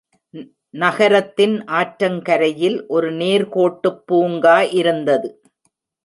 நகரத்தில் ஆற்றங்கரையில் ஒரு நேர்கோட்டுப் பூங்கா இருந்தது.